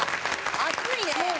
熱いねー！